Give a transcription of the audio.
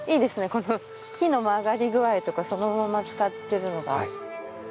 この木の曲がり具合とかそのまま使ってるのが。